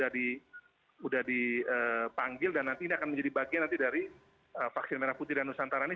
sudah dipanggil dan nanti ini akan menjadi bagian nanti dari vaksin merah putih dan nusantara ini